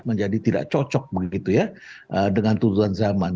menjadi tidak cocok begitu ya dengan tuntutan zaman